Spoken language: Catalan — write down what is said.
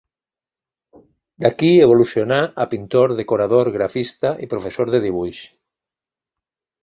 D'aquí evolucionà a pintor decorador, grafista i professor de dibuix.